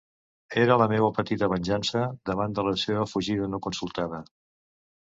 Era la meua petita venjança davant de la seua fugida no consultada.